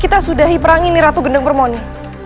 kita sudahi perang ini ratu gedang permoni